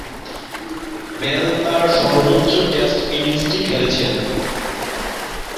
Bell তার সর্বোচ্চ test ইনিংসটি খেলেছিলেন।